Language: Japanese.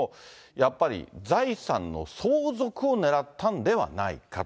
やっぱり財産の相続を狙ったんではないかと。